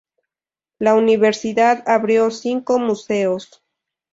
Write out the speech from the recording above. La Universidad abrió cinco museos.